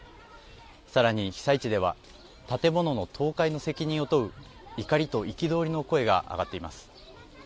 さらに被災地では建物の倒壊の責任を問う怒りと憤りの声が上がっています。